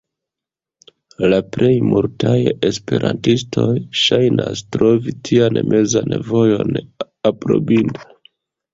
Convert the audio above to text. La plej multaj esperantistoj ŝajnas trovi tian mezan vojon aprobinda.